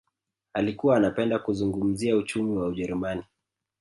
Alikuwa anapenda kuzungumzia uchumi wa ujerumani